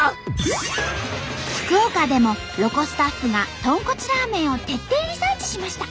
福岡でもロコスタッフが豚骨ラーメンを徹底リサーチしました。